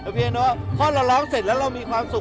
เพราะฉะนั้นพอเราร้องเสร็จแล้วเรามีความสุข